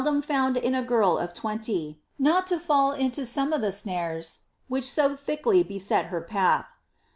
to be found in a girl of twenty, not to fall into some of the snares which to thickly beset her path.'